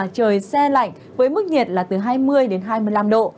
trời xe lạnh với mức nhiệt là từ hai mươi đến hai mươi năm độ